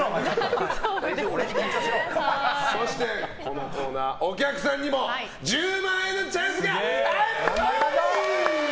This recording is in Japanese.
そしてこのコーナーお客さんにも１０万円のチャンスがあるんです。